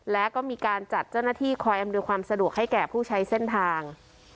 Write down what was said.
และก็มีการจัดเจ้าหน้าที่คอยอำนวยความสะดวกให้แก่ผู้ใช้เส้นทาง